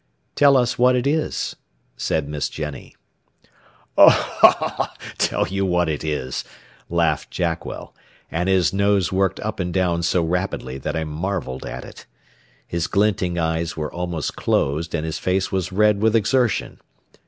"Tell us what it is," said Miss Jennie. "Oh, ho, ho, tell you what it is," laughed Jackwell, and his nose worked up and down so rapidly that I marvelled at it. His glinting eyes were almost closed and his face was red with exertion.